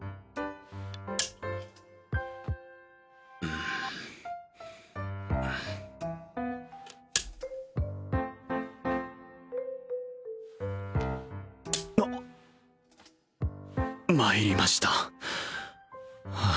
うんあっまいりましたは